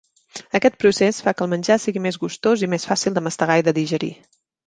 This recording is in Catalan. Aquest procés fa que el menjar sigui més gustós i més fàcil de mastegar i de digerir.